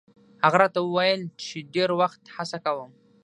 هغه راته ویل چې ډېر وخت هڅه کوم.